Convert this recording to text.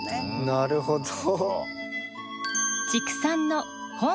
なるほど。